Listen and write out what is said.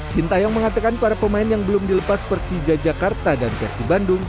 sintayong mengatakan para pemain yang belum dilepas persija jakarta dan persib bandung